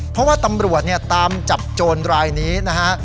เพราะว่าตำรวจเนี่ยตามจับโจรรายนี้นะฮะ